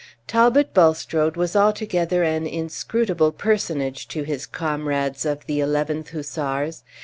Talbot Bulstrode was altogether an inscrutable personage to his comrades of the 11th Hussars.